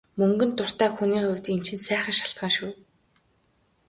Мөнгөнд дуртай хүний хувьд энэ чинь сайхан шалтгаан шүү.